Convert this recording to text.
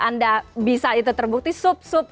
anda bisa itu terbukti sub sub